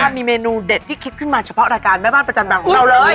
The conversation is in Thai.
มีเมนูเด็ดที่คิดขึ้นมาเฉพาะรายการแม่บ้านประจำบังของเราเลย